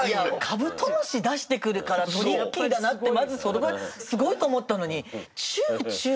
カブトムシ出してくるからトリッキーだなってまずそれがすごいと思ったのにチューチューだもの。